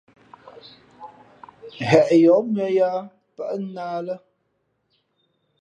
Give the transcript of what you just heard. Heʼ yǒh mʉ̄ᾱ yāā pάʼ nā lά.